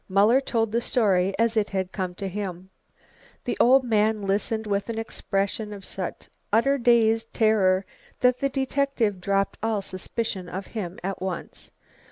Muller told the story as it had come to him. The old man listened with an expression of such utter dazed terror that the detective dropped all suspicion of him at once.